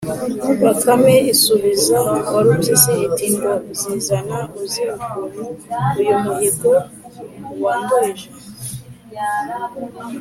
“bakame isubiza warupyisi iti: “ngo zizana! uzi ukuntu uyu muhigo wanduhije?